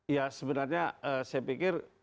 ya sebenarnya saya pikir